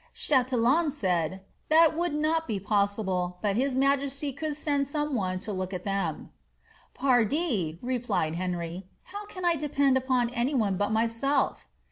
Chatillon said, ^^ that would not be possible, bat his majesty could send some one to look at them." ^ Pardie," replied Henry, ^ how can I depend upon any one but myself?"'